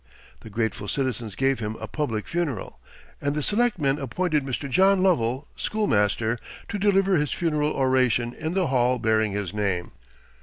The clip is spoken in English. The grateful citizens gave him a public funeral, and the Selectmen appointed Mr. John Lovell, schoolmaster, to deliver his funeral oration in the Hall bearing his name.